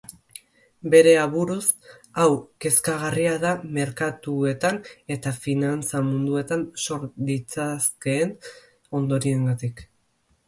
Bere aburuz, hau kezkagarria da merkatuetan eta finantza munduetan sor ditzakeen ondoriengatik.